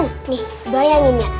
nih bayangin ya